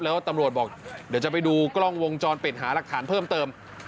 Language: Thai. แล้วตำรวจบอกเดี๋ยวจะไปดูกล้องวงจรปิดหาหลักฐานเพิ่มเติม